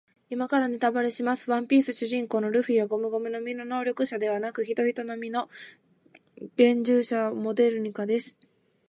今からネタバレします。ワンピース主人公のルフィはゴムゴムの実の能力者ではなく、ヒトヒトの実幻獣種モデルニカです。